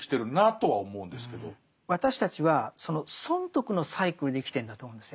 私たちは損得のサイクルで生きてるんだと思うんです